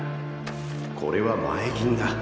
これは前金だ。